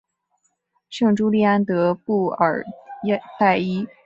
圣朱利安德布尔代伊。